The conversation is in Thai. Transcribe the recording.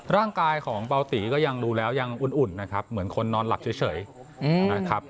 ร่างกายของเบาตีก็ยังดูแล้วยังอุ่นนะครับเหมือนคนนอนหลับเฉยนะครับ